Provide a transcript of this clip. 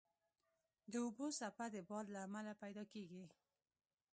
د اوبو څپه د باد له امله پیدا کېږي.